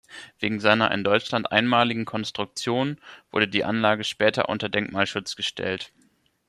Wegen seiner in Deutschland einmaligen Konstruktion wurde die Anlage später unter Denkmalschutz gestellt.